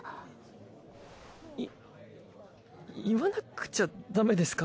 い言わなくちゃだめですか？